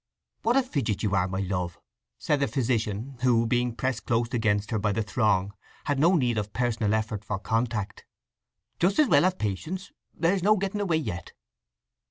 "What a fidget you are, my love," said the physician, who, being pressed close against her by the throng, had no need of personal effort for contact. "Just as well have patience: there's no getting away yet!"